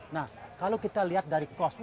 nah kalau kita lihat dari cost